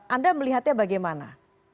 anda melihatnya bagaimana